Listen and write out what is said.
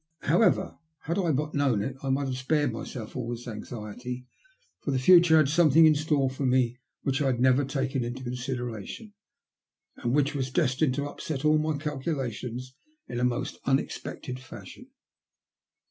However, had I but known it, I might have spared myself all this anxiety, for the future had something in store for me which I had never taken into consideration, and which was destined to upset all my calculations in a most unexpected fashion.